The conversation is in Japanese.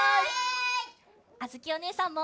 あづきおねえさんも！